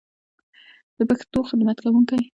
د پښتو خدمت کوونکی